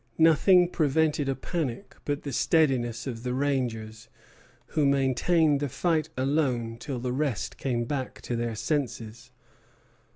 Nothing prevented a panic but the steadiness of the rangers, who maintained the fight alone till the rest came back to their senses.